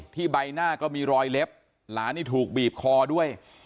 ใบหน้าก็มีรอยเล็บหลานนี่ถูกบีบคอด้วย